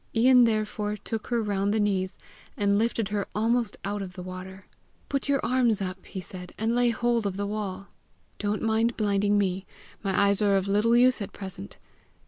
Ian, therefore, took her round the knees, and lifted her almost out of the water. "Put your arms up," he said, "and lay hold of the wall. Don't mind blinding me; my eyes are of little use at present.